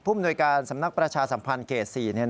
ผู้อำนวยการสำนักประชาสัมพันธ์เกษี